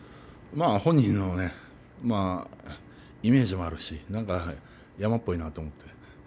本人のイメージもあるしなんか山っぽいなと思って。